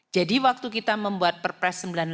jadi waktu kita membuat perpres sembilan puluh delapan